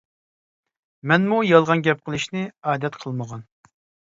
مەنمۇ يالغان گەپ قىلىشنى ئادەت قىلمىغان.